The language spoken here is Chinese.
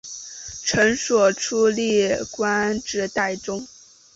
承圣初历官至侍中。